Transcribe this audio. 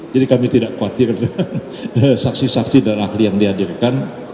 kami tidak khawatir saksi saksi dan ahli yang dihadirkan